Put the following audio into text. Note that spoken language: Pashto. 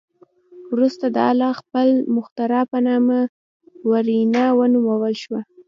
وروسته دا آله د خپل مخترع په نامه ورنیه ونومول شوه.